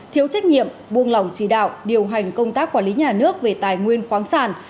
thiếu trách nhiệm buông lỏng chỉ đạo điều hành công tác quản lý nhà nước về tài nguyên khoáng sản